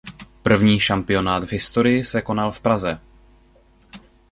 První šampionát v historii se konal v Praze.